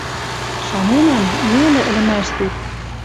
Шаненӓм, нелӹ ӹлӹмӓштет